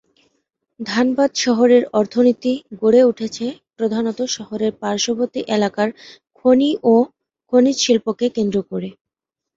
ধানবাদ শহরের অর্থনীতি গড়ে উঠেছে প্রধানত শহরের পার্শবর্তী এলাকার খনি ও খনিজ শিল্পকে কেন্দ্র করে।